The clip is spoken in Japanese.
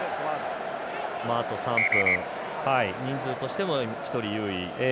あと３分、人数としても１人、優位。